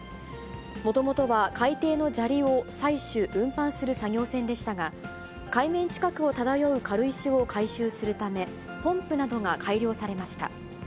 もともとは海底の砂利を採取・運搬する作業船でしたが、海面近くを漂う軽石を回収するため、ポンプなどが改良されました。